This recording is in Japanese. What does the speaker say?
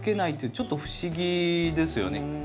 ちょっと不思議ですよね。